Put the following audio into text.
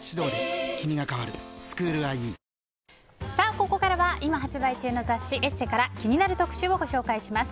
ここからは今発売中の雑誌「ＥＳＳＥ」から気になる特集をご紹介します。